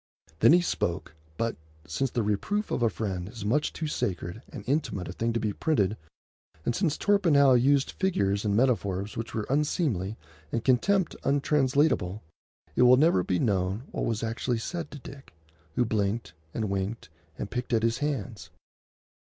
Then he spoke; but, since the reproof of a friend is much too sacred and intimate a thing to be printed, and since Torpenhow used figures and metaphors which were unseemly, and contempt untranslatable, it will never be known what was actually said to Dick, who blinked and winked and picked at his hands.